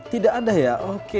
tidak ada ya oke